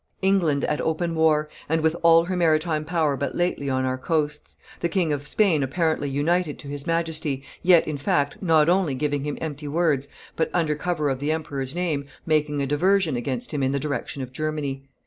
England at open war, and with all her maritime power but lately on our coasts; the King of Spain apparently united to his Majesty, yet, in fact, not only giving him empty words, but, under cover of the emperor's name, making a diversion against him in the direction of Germany.